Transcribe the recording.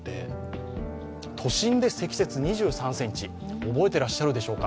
都心で積雪２３ｃｍ、覚えてらっしゃるでしょうか。